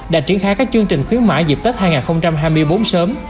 đã triển khai các chương trình khuyến mãi dịp tết hai nghìn hai mươi bốn sớm